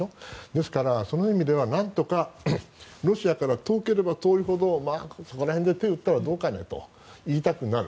だから、その意味ではなんとかロシアから遠ければ遠いほどそこら辺で手を打ったらどうかねと言いたくなる。